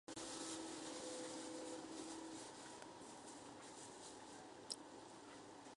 宗教哲学是对宗教以及其所包含的问题和观念的哲学思考。